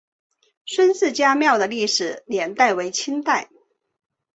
孙氏家庙的历史年代为清代。